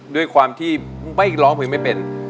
ด้วยความที่ไม่ร้องเพลงไม่เป็น